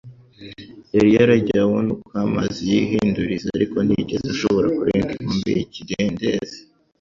Yari yaragiye abona uko amazi yihinduriza ariko ntiyigeze ashobora kurenga inkombe y’ikidendezi